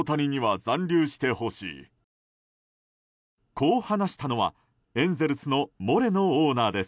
こう話したのは、エンゼルスのモレノオーナーです。